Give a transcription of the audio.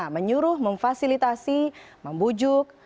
menyuruh memfasilitasi membujuk